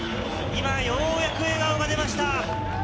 今、ようやく笑顔が出ました。